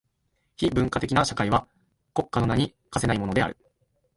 非文化的な社会は国家の名に価せないものである。